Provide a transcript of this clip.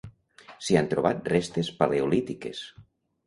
S'hi han trobat restes paleolítiques.